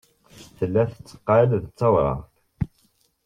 Tella tetteqqal d tawraɣt.